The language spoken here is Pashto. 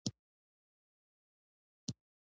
له هندي منورینو سره یو ځای شي.